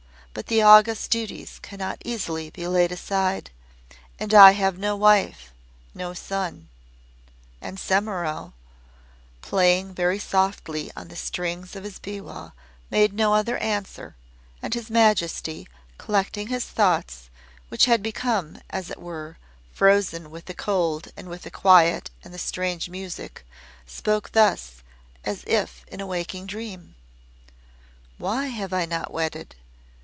But the august duties cannot easily be laid aside. And I have no wife no son." And Semimaru, playing very softly on the strings of his biwa made no other answer, and His Majesty, collecting his thoughts, which had become, as it were, frozen with the cold and the quiet and the strange music, spoke thus, as if in a waking dream; "Why have I not wedded?